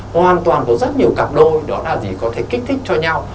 hoàn toàn có rất nhiều cặp đôi đó là gì có thể kích thích cho nhau